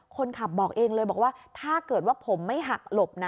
คนขับบอกเองเลยบอกว่าถ้าเกิดว่าผมไม่หักหลบนะ